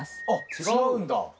違うんだ。